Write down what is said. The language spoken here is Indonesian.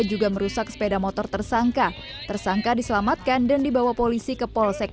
juga merusak sepeda motor tersangka tersangka diselamatkan dan dibawa polisi ke polsek